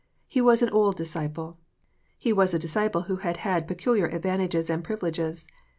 He was an old disciple. Ho was a disciple who had had peculiar advantages and privileges.